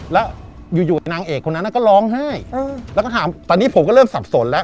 แล้วอยู่อยู่นางเอกคนนั้นก็ร้องไห้แล้วก็ถามตอนนี้ผมก็เริ่มสับสนแล้ว